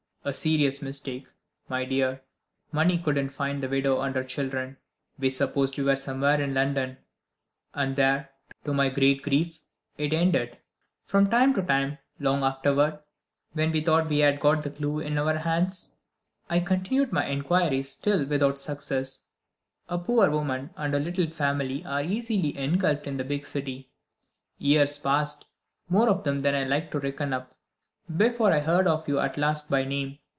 A serious mistake, my dear money couldn't find the widow and her children. We supposed you were somewhere in London; and there, to my great grief, it ended. From time to time long afterward, when we thought we had got the clew in our hands I continued my inquiries, still without success. A poor woman and her little family are so easily engulfed in the big city! Years passed (more of them than I like to reckon up) before I heard of you at last by name.